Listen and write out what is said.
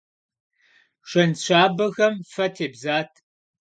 Шэнт щабэхэм фэ тебзат.